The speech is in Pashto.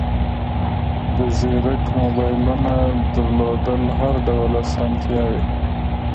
د زیرک موبایلونو درلودل هر ډول اسانتیاوې